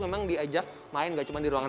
memang diajak main gak cuma di ruangan